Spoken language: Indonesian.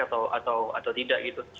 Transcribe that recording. atau tidak gitu